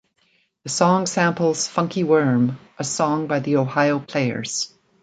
The song samples "Funky Worm", a song by the Ohio Players.